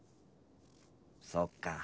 そっか。